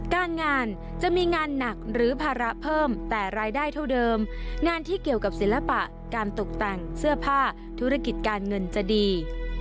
การงานจะมีงานหนักหรือภาระเพิ่มแต่รายได้เท่าเดิมงานที่เกี่ยวกับศิลปะการตกแต่งเสื้อผ้าธุรกิจการเงินจะดี